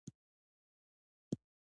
د دویم نړیوال جنګ وروسته لوړې ودانۍ جوړې شوې.